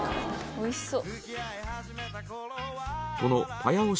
おいしそう！